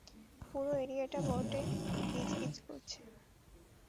পুরো এরিয়াটা বটে গিজগিজ করছে।